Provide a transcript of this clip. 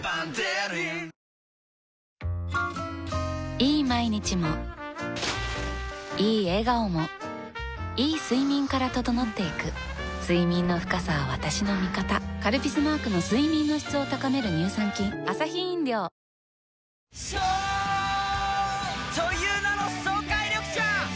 いい毎日もいい笑顔もいい睡眠から整っていく睡眠の深さは私の味方「カルピス」マークの睡眠の質を高める乳酸菌颯という名の爽快緑茶！